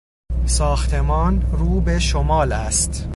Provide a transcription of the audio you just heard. ساختمان رو به شمال است.